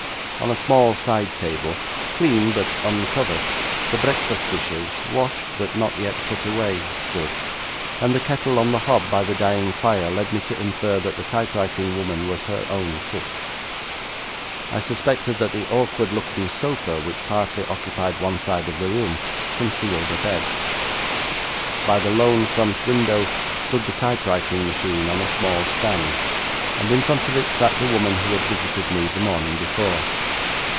On a small side table, clean, but uncovered, the breakfast dishes, washed, but not yet put away, stood, and the kettle on the hob by the dying fire led me to infer that the typewriting woman was her own cook. I suspected that the awkward looking sofa which partly occupied one side of the room, concealed a bed. By the lone front window stood the typewriting machine on a small stand, and in front of it sat the woman who had visited me the morning before.